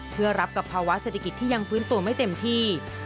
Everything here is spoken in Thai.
เพื่อรับกับภาวะเศรษฐกิจที่ยังฟื้นตัวไม่เต็มที่